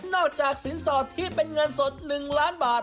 นอกจากสินสอดที่เป็นเงินสดหนึ่งล้านบาท